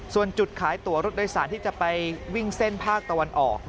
ส่วนจุดขายตัวรถโดยสารที่จะไปวิ่งเส้นภาคตะวันออก